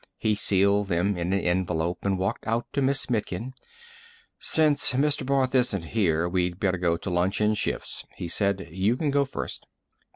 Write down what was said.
He sealed them in an envelope and walked out to Miss Mitkin. "Since Mr. Barth isn't here, we'd better go to lunch in shifts," he said. "You can go first."